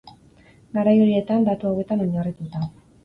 Garai horietan, datu hauetan oinarrituta.